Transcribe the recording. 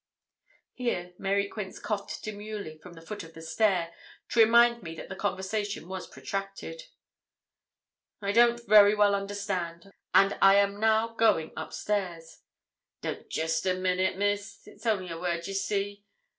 Here Mary Quince coughed demurely from the foot of the stair, to remind me that the conversation was protracted. 'I don't very well understand,' I said gravely; 'and I am now going upstairs.' 'Don't jest a minute, Miss; it's only a word, ye see.